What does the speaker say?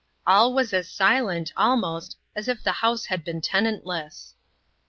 All was as silent, almost, as if the house had been tenantless.